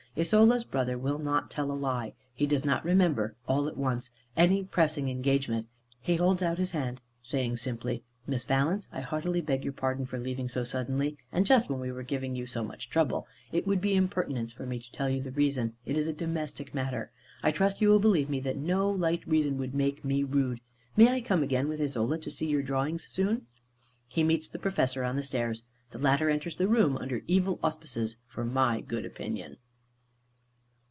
Isola's brother will not tell a lie. He does not remember, all at once, any pressing engagement. He holds out his hand, saying simply, "Miss Valence, I heartily beg your pardon for leaving so suddenly; and just when we were giving you so much trouble. It would be impertinence for me to tell you the reason. It is a domestic matter. I trust you will believe me, that no light reason would make me rude. May I come again with Isola, to see your drawings soon?" He meets the Professor on the stairs. The latter enters the room, under evil auspices for my good opinion.